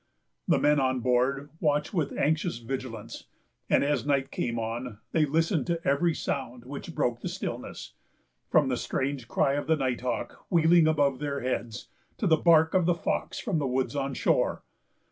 The men on board watched with anxious vigilance; and as night came on, they listened to every sound which broke the stillness, from the strange cry of the night hawk, wheeling above their heads, to the bark of the fox from the woods on shore.